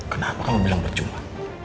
kenapa kamu bilang percuma